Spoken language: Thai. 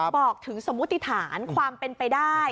บอกถึงสมมุติฐานความเป็นไปได้